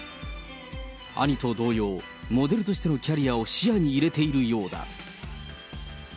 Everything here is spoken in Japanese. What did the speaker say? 兄と同様、モデルとしてのキャリアを視野に入れているようだ。